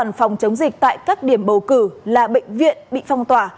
trong bản phòng chống dịch tại các điểm bầu cử là bệnh viện bị phong tỏa